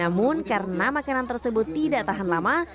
namun karena makanan tersebut tidak tahan lama